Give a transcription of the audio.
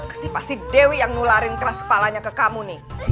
ini pasti dewi yang nularin keras kepalanya ke kamu nih